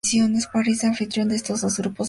País anfitrión de estos dos grupos: Eslovaquia.